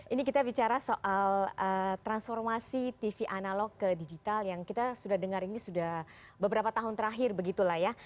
ini kita bicara soal transformasi tv analog ke digital yang kita sudah dengar ini sudah beberapa tahun terakhir begitulah ya